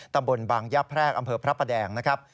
ตำบลบางย่าแพรกอำเภอพระประแดงนะครับ